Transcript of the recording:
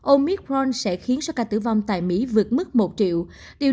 omicron sẽ khiến số ca tử vong tại mỹ vượt mức một triệu